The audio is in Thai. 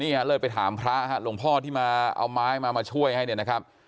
นี่เลิกไปถามพระหลวงพ่อที่มาเอาไม้มาช่วยให้นะครับ